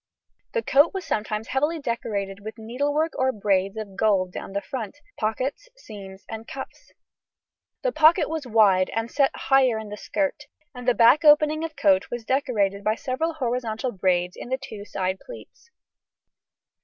The coat was sometimes heavily decorated with needlework or braids of gold down the front, pockets, seams, and cuffs. The pocket was wide and set higher in the skirt, and the back opening of coat was decorated by several horizontal braids to the two side pleats.